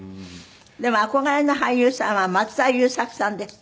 でも憧れの俳優さんは松田優作さんですって？